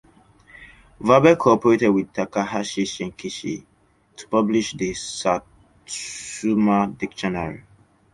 Verbeck cooperated with Takahashi Shinkichi to publish the "Satsuma Dictionary".